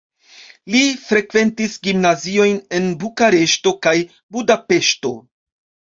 Li frekventis gimnaziojn en Bukareŝto kaj Budapeŝto.